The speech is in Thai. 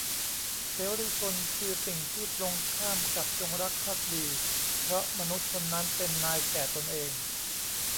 เสรีชน คือสิ่งที่ตรงข้ามกับจงรักภักดี เพราะมนุษย์คนนั้นเป็นนายแก่ตนเอง